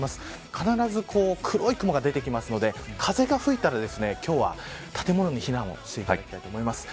必ず黒い雲が出てくるので風が吹いたら今日は建物に避難をしていただきたいと思います。